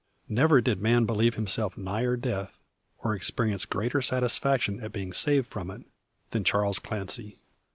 Never did man believe himself nigher death, or experience greater satisfaction at being saved from it, than Charles Clancy.